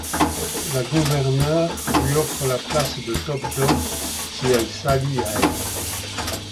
La gouverneur lui offre la place de top dog si elle s'allie à elle.